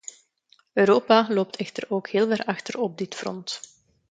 Europaloopt echter ook heel ver achter op dit front.